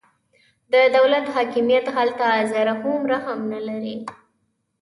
د دولت حاکمیت هلته ذره هومره هم نه لري.